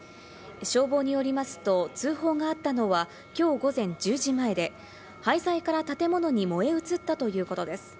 消防によりますと、通報があったのはきょう午前１０時前で、廃材から建物に燃え移ったということです。